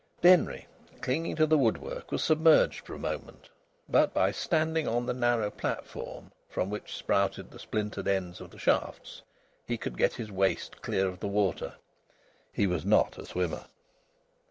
Denry, clinging to the woodwork, was submerged for a moment, but, by standing on the narrow platform from which sprouted the splintered ends of the shafts, he could get his waist clear of the water. He was not a swimmer.